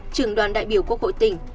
trưởng đoàn đại biểu quốc hội tỉnh